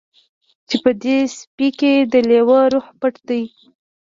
چې په دې سپي کې د لیوه روح پټ دی